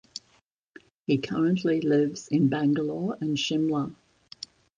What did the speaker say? He currently lives in Bangalore and Shimla.